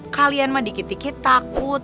kalian mah dikit dikit takut